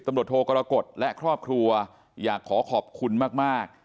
ตำรวจโทกรกฎและครอบครัวอยากขอขอบคุณมาก